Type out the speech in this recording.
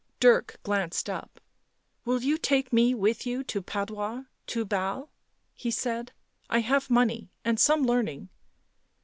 Dirk glanced up. "Will you take me with you to Padua — to Basle?" he said. " I have money and some learning."